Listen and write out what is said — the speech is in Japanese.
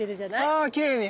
あきれいに。